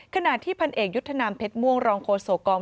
ขณะที่พันเอกยุทธนามเพชรม่วงรองโฆษกอง